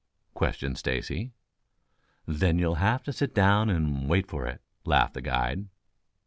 questioned Stacy. "Then you'll have to sit down and wait for it," laughed the guide.